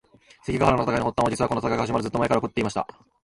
関ヶ原の戦いの発端は、実はこの戦いが始まるずっと前から起こっていました。